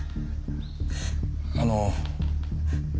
あの。